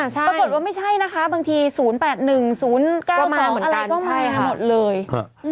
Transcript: ปรากฏว่าไม่ใช่นะคะบางที๐๘๑๐๙๒อะไรก็มาหมดเลย